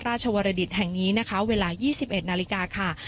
ราชวรรดิตแห่งนี้นะคะเวลายี่สิบเอ็ดนาฬิกาค่ะ